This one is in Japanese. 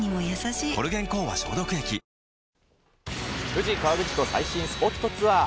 富士・河口湖最新スポットツアー。